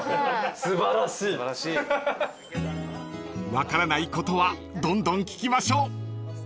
［分からないことはどんどん聞きましょう］